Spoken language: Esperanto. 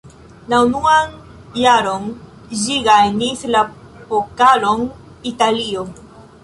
La unuan jaron ĝi gajnis la Pokalon Italio.